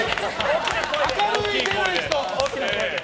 明るい、出ない人！